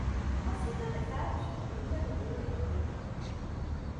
ހަސީނާގެ ފައިދަށުން ބިންގަނޑު ދޫވެގެން ދިޔަހެން ހީވި